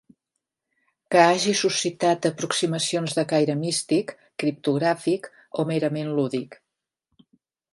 Que hagi suscitat aproximacions de caire místic, criptogràfic o merament lúdic.